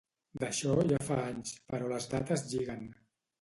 D'això ja fa anys, però les dates lliguen.